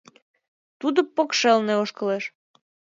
Тудо покшелне ошкылеш.